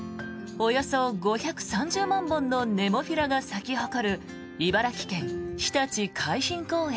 およそ５３０万本のネモフィラが咲き誇る茨城県・ひたち海浜公園。